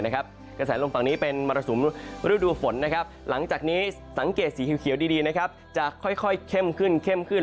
กระแสลมฝั่งนี้เป็นมรสุมฤดูฝนหลังจากนี้สังเกตสีเขียวดีจะค่อยเข้มขึ้นเข้มขึ้น